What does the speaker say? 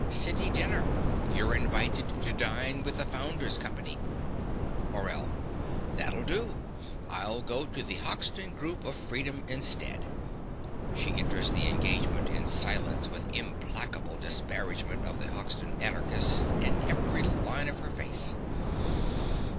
City dinner. You're invited to dine with the Founder's Company. MORELL. That'll do; I'll go to the Hoxton Group of Freedom instead. (She enters the engagement in silence, with implacable disparagement of the Hoxton Anarchists in every line of her face.